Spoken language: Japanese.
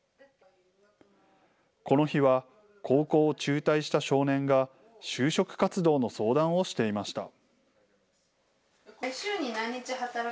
この日は、高校を中退した少年が、就職活動の相談をしていました。